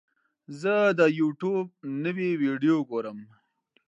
زه د یوټیوب نوې ویډیو ګورم.